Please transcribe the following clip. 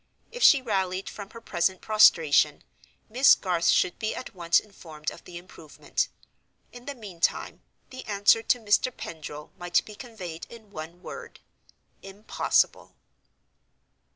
If she rallied from her present prostration, Miss Garth should be at once informed of the improvement. In the meantime, the answer to Mr. Pendril might be conveyed in one word—Impossible.